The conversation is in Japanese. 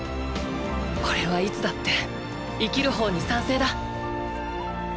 おれはいつだって生きる方に賛成だっ！